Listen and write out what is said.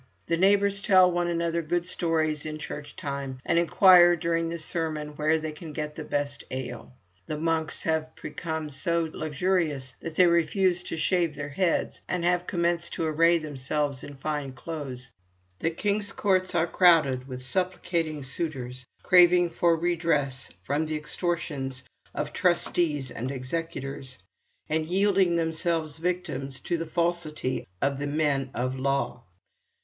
The neighbours tell one another good stories in church time, and inquire during the sermon where they can get the best ale. The monks have become so luxurious that they refuse to shave their heads and have commenced to array themselves in fine clothes. The king's courts are crowded with supplicating suitors, craving for redress from the extortions of trustees and executors, and yielding themselves victims to the falsity of the men of law.